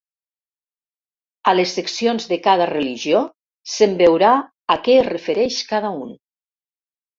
A les seccions de cada religió se'n veurà a què es refereix cada un.